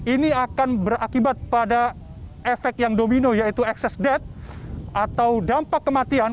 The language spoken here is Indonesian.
ini akan berakibat pada efek yang domino yaitu excess death atau dampak kematian